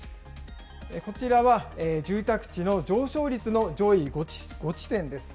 こちらは住宅地の上昇率の上位５地点です。